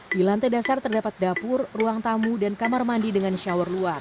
di lantai dasar terdapat dapur ruang tamu dan kamar mandi dengan shower luar